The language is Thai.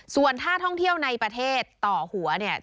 ส่วนถ้าท่องเที่ยวในประเทศต่อหัวเนี่ย